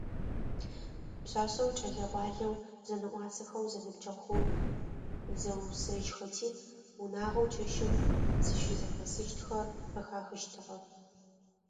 Пшъашъэу, кӏэлэ-гъуалэу зэнэӏуасэхэу зэныбджэгъухэр зэусэжьхэти, унагъоу чэщым зыщызэхэсыщтхэр къыхахыщтыгъэ.